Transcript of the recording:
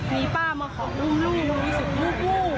นี่ป้ามาขออุ้มลูกหนูรู้สึกลูก